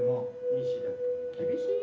・西田君厳しい。